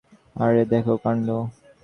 আরে, দেখো কাণ্ড।